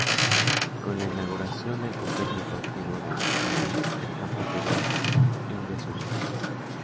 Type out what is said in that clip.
Con la inauguración del Complejo Deportivo de Balbín, el campo quedó en desuso.